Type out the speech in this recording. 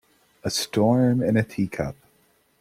A storm in a teacup